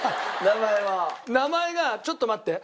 名前がちょっと待って。